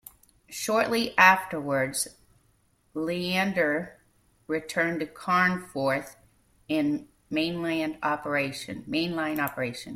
Shortly afterwards, "Leander" returned to Carnforth and mainline operation.